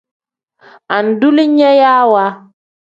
Andulinyawa.